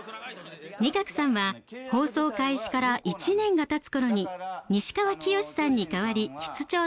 仁鶴さんは放送開始から１年がたつ頃に西川きよしさんに代わり室長となりました。